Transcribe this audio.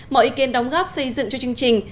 mọi ý kiến đóng góp xây dựng cho chương trình